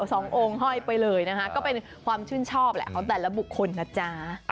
สององค์ห้อยไปเลยนะคะก็เป็นความชื่นชอบแหละของแต่ละบุคคลนะจ๊ะ